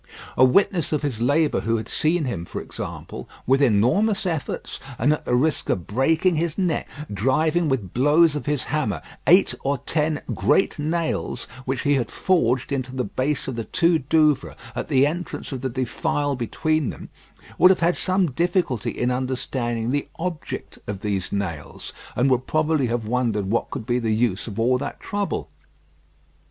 A witness of his labour who had seen him, for example, with enormous efforts, and at the risk of breaking his neck, driving with blows of his hammer eight or ten great nails which he had forged into the base of the two Douvres at the entrance of the defile between them, would have had some difficulty in understanding the object of these nails, and would probably have wondered what could be the use of all that trouble.